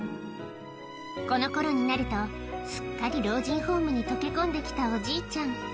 このころになると、すっかり老人ホームにとけ込んできたおじいちゃん。